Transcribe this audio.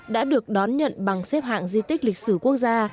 đã được đón nhận bằng xếp hạng di tích lịch sử quốc gia